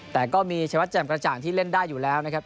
แต่ก็มีชายวัดแจ่มกระจ่างที่เล่นได้อยู่แล้วนะครับ